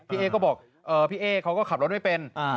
เอ๊ก็บอกพี่เอ๊เขาก็ขับรถไม่เป็น